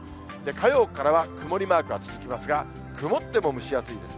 火曜からは曇りマークが続きますが、曇っても蒸し暑いです。